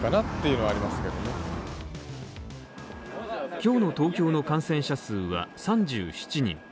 今日の東京の感染者数は３７人。